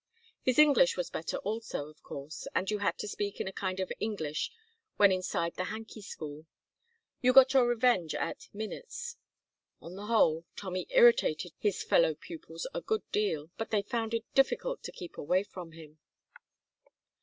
His English was better also, of course, and you had to speak in a kind of English when inside the Hanky School; you got your revenge at "minutes." On the whole, Tommy irritated his fellow pupils a good deal, but they found it difficult to keep away from him.